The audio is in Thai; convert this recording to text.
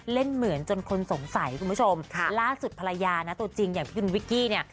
เล่นเหมือนจนคนสงสัยคุณผู้ชมล่าสุดภรรยานะตัวจริงยังผิด